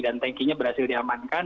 dan tankinya berhasil diamankan